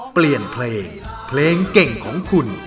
เปลี่ยนเพลงเพลงเก่งของคุณ